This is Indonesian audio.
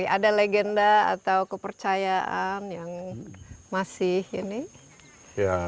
ada legenda atau kepercayaan yang masih ini